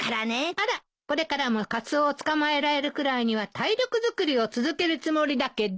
あらこれからもカツオを捕まえられるくらいには体力づくりを続けるつもりだけど？